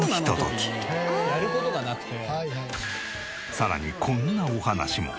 さらにこんなお話も。